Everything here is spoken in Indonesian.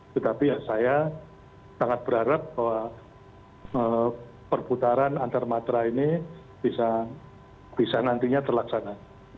tetapi saya sangat berharap bahwa perputaran antarmatra ini bisa nantinya terlaksana